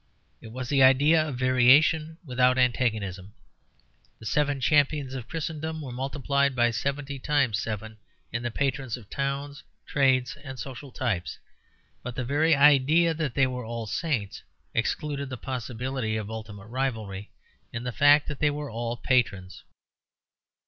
It was the idea of variation without antagonism. The Seven Champions of Christendom were multiplied by seventy times seven in the patrons of towns, trades and social types; but the very idea that they were all saints excluded the possibility of ultimate rivalry in the fact that they were all patrons.